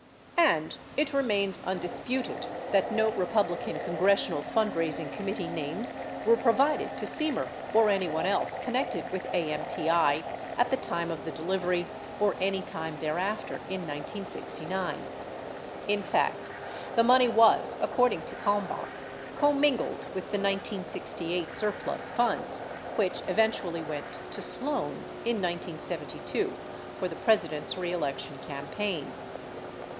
86 And it remains undisputed that no Republican congressional fund raising committee names were provided to Semer or anyone else con nected with AMPI at the time of the delivery or anytime thereafter in 1969. In fact, the money was, according to Kalmbach, commingled with the 1968 surplus funds, which eventually went to Sloan in 1972 for the President's reelection campaign.